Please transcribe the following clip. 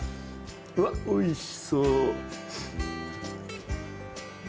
うわっおいしそう。